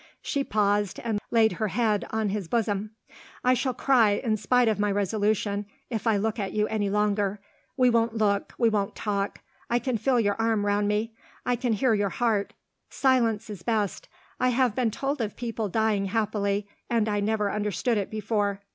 She paused, and laid her head on his bosom. "I shall cry, in spite of my resolution, if I look at you any longer. We won't look we won't talk I can feel your arm round me I can hear your heart. Silence is best. I have been told of people dying happily; and I never understood it before.